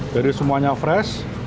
jadi semuanya fresh